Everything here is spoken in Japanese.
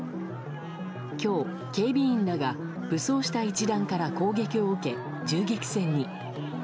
今日、警備員らが武装した一団から攻撃を受け銃撃戦に。